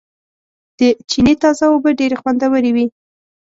د چينې تازه اوبه ډېرې خوندورېوي